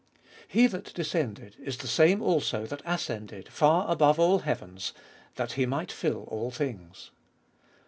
2. "He that descended is the same also that ascended far above all the heavens, that He might fill all things."